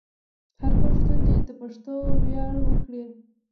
هر پښتون دې د پښتو ویاړ وکړي.